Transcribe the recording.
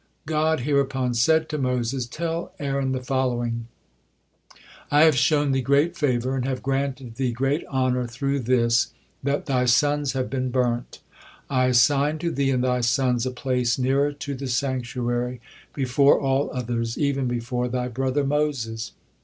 God hereupon said to Moses: "Tell Aaron the following: 'I have shown thee great favor and have granted thee great honor through this, that thy sons have been burnt. I assigned to thee and thy sons a place nearer to the sanctuary, before all others, even before thy brother Moses.